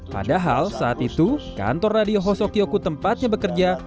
padahal saat itu kantor radio hosokyoku tempatnya bekerja